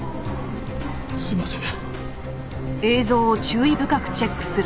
すいません。